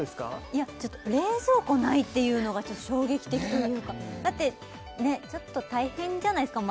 いやちょっと冷蔵庫ないっていうのがちょっと衝撃的というかだってねっちょっと大変じゃないですか？